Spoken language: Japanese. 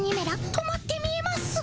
止まって見えます。